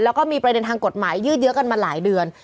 แล้วก็มีประเด็นทางกฎหมายยืดเยอะกันมาหลายเดือน